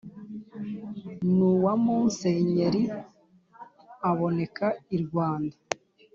n'uwa musenyeeri aboneka i rwanda